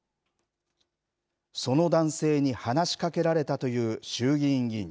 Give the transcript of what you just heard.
その男性に話しかけられたという衆議院議員。